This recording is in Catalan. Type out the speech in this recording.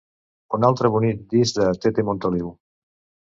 Un altre bonic disc de Tete Montoliu.